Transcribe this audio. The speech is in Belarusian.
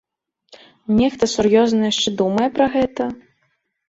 Нехта сур'ёзна яшчэ думае пра гэта?